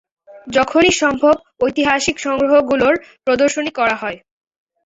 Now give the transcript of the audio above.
যখনই সম্ভব ঐতিহাসিক সংগ্রহগুলোর প্রদর্শনী করা হয়।